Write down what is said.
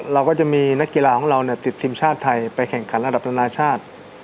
เราก็จะมีนักกีฬาของเราติดทีมชาติไทยไปแข่งขันระดับนานาชาติ